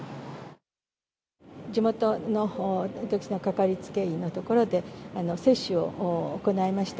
地元の、私の掛かりつけ医の所で接種を行いました。